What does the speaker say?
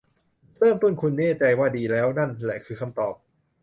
เริ่มต้นคุณแน่ใจว่าดีแล้ว นั่นแหละคือคำตอบ